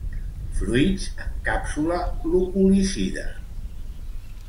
Fruits en càpsula loculicida.